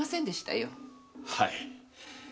はい。